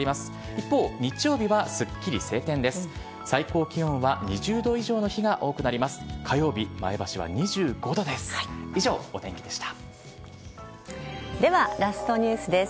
一方、日曜日はすっきり晴天です。